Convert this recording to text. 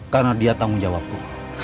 karena dia tanggung jawabku